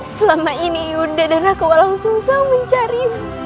selama ini udah dan aku langsung mencarimu